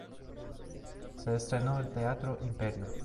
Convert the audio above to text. Se estrenó en el Teatro Imperio.